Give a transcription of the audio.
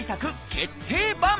決定版。